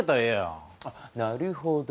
あっなるほど。